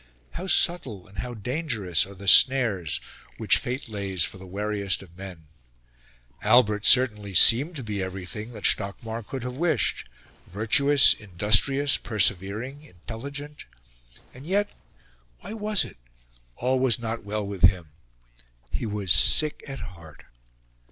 How subtle and how dangerous are the snares which fate lays for the wariest of men! Albert, certainly, seemed to be everything that Stockmar could have wished virtuous, industrious, persevering, intelligent. And yet why was it all was not well with him? He was sick at heart.